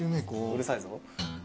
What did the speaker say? うるさいぞ。